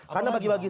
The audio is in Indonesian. karena bagi gua